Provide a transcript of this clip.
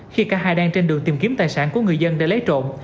khi cả hai đang trên đường tìm kiếm tài sản của người dân để lấy trộm